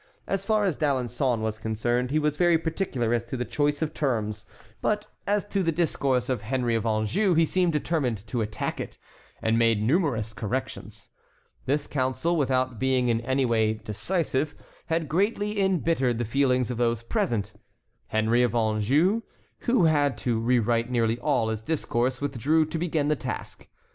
As far as D'Alençon was concerned he was very particular as to the choice of terms; but as to the discourse of Henry of Anjou he seemed determined to attack it, and made numerous corrections. This council, without being in any way decisive, had greatly embittered the feelings of those present. Henry of Anjou, who had to rewrite nearly all his discourse, withdrew to begin the task.